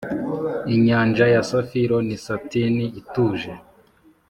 inyanja ya safiro ni satin ituje,